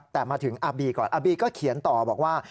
แต่มาถึงอาร์บีก่อนอาบีก็เขียนต่อบอกว่า